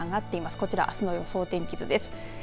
こちらはあすの予想天気図です。